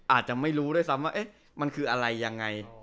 อาจจะไม่รู้ด้วยซ้ำว่ามันคืออะไรยังไง